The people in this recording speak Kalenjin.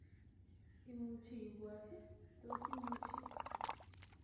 Imuchi ibwaat, Tos imuchi?